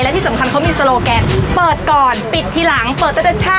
หยูกไหมคะ